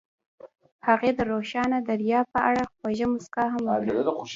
هغې د روښانه دریاب په اړه خوږه موسکا هم وکړه.